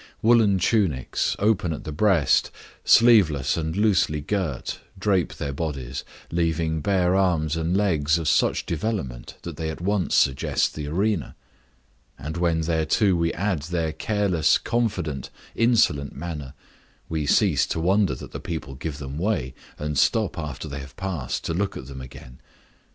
Woollen tunics, open at the breast, sleeveless and loosely girt, drape their bodies, leaving bare arms and legs of such development that they at once suggest the arena; and when thereto we add their careless, confident, insolent manner, we cease to wonder that the people give them way, and stop after they have passed to look at them again.